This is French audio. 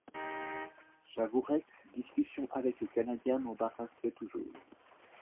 J’avouerai que cette discussion avec le Canadien m’embarrassait toujours.